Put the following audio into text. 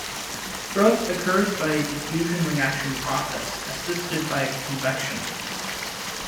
Growth occurs by a diffusion-reaction process, assisted by convection.